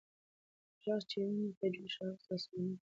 ږغ چې ويني په جوش راوستلې، آسماني و.